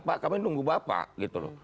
pak kami nunggu bapak gitu loh